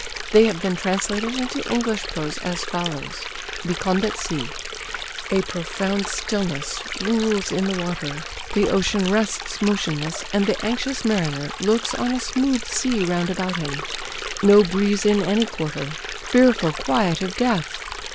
They have been translated into English prose as follows: "BECALMED AT SEA" "A profound stillness rules in the water; the ocean rests motionless; and the anxious mariner looks on a smooth sea round about him. No breeze in any quarter! Fearful quiet of death!